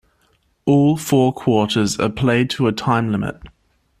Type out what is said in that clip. All four quarters are played to a time limit.